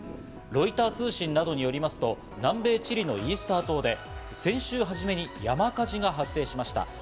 ロイター通信などによりますと、南米チリのイースター島で先週初めに山火事が発生しました。